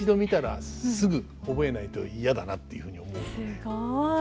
すごい。